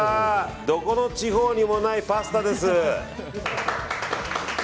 どこの地方にもないパスタです。